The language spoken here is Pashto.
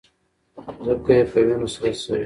ځمکه یې په وینو سره شوه